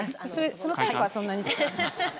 そのタイプはそんなに。